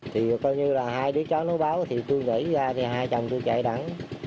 thì coi như là hai đứa cháu nó báo thì tôi ngẩy ra thì hai chồng tôi chạy đẳng